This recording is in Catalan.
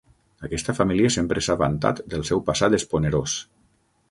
Aquesta família sempre s'ha vantat del seu passat esponerós.